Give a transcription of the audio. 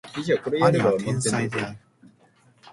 兄は天才である